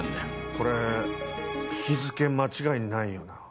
これ日付間違いないよな？